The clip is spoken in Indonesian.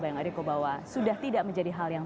bayang eriko bahwa sudah tidak menjadi hal yang